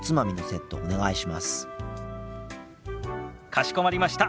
かしこまりました。